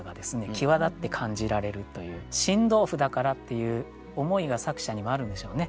際立って感じられるという「新豆腐だから」っていう思いが作者にもあるんでしょうね。